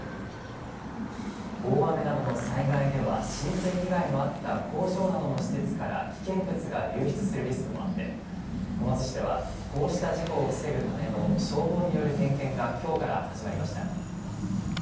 大雨などの災害では浸水被害のあった工場などの施設から危険物が流出するリスクもあって小松市では、こうした事故を防ぐための消防による点検がきょうから始まりました。